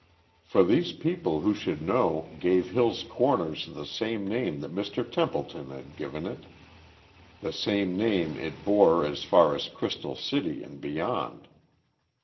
For these people who should know gave Hill's Corners the same name that Mr. Templeton had given it, the same name it bore as far as Crystal City and beyond.